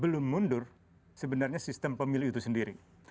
belum mundur sebenarnya sistem pemilu itu sendiri